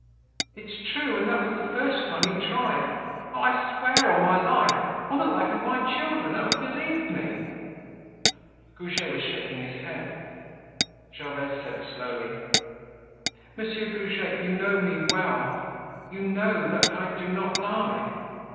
It's true, and that was the first time he tried. Oh, I swear on my life, on the life of my children, oh, believe me!" Goujet was shaking his head. Gervaise said slowly: "Monsieur Goujet, you know me well. You know that I do not lie.